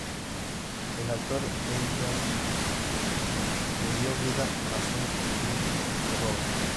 El actor Lee Hyo-je dio vida a Sung-min de joven.